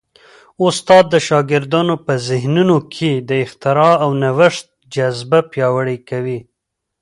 استاد د شاګردانو په ذهنونو کي د اختراع او نوښت جذبه پیاوړې کوي.